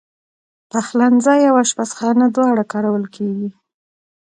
پخلنځی او آشپزخانه دواړه کارول کېږي.